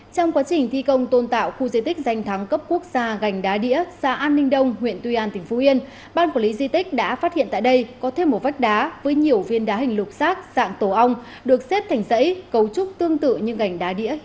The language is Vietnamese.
trong quá trình thi công tôn tạo khu di tích danh thắng cấp quốc gia gành đá đĩa xã an ninh đông huyện tuy an tỉnh phú yên ban quản lý di tích đã phát hiện tại đây có thêm một vách đá với nhiều viên đá hình lục xác dạng tổ ong được xếp thành dãy cấu trúc tương tự như gành đá đĩa